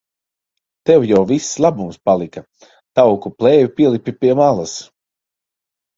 Tev jau viss labums palika. Tauku plēve pielipa pie malas.